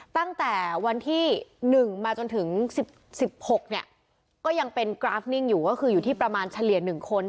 ตั้งแต่วันที่๑มาจนถึง๑๖เนี่ยก็ยังเป็นกราฟนิ่งอยู่ก็คืออยู่ที่ประมาณเฉลี่ย๑คน